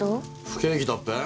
不景気だっぺ？